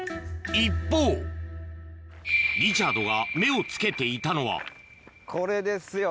一方リチャードが目を付けていたのはこれですよ